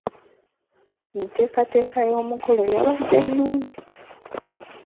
Enteekateeka y'omukolo yabadde nnungi.